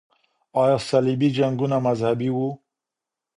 آیا صلیبي جنګونه مذهبي وو؟